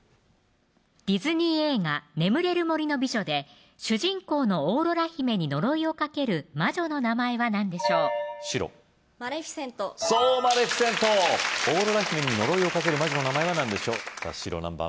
ディズニー映画眠れる森の美女で主人公のオーロラ姫に呪いをかける魔女の名前は何でしょう白マレフィセントそうマレフィセントオーロラ姫に呪いをかける魔女の名前は何でしょうさぁ白何番？